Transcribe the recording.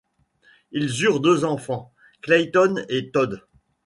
Ils eurent deux enfants, Clayton et Todd.